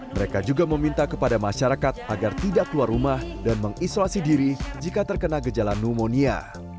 mereka juga meminta kepada masyarakat agar tidak keluar rumah dan mengisolasi diri jika terkena gejala pneumonia